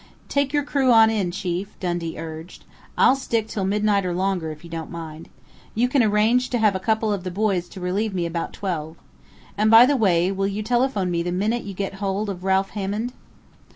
"Take your crew on in, chief," Dundee urged. "I'll stick till midnight or longer, if you don't mind. You can arrange to have a couple of the boys to relieve me about twelve.... And by the way, will you telephone me the minute you get hold of Ralph Hammond?"